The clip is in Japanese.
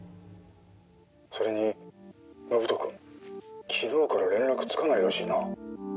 それに延人君昨日から連絡つかないらしいな。